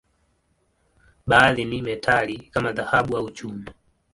Baadhi ni metali, kama dhahabu au chuma.